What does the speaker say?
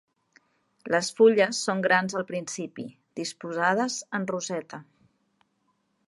Les fulles són grans al principi, disposades en roseta.